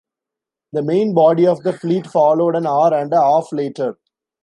The main body of the fleet followed an hour and a half later.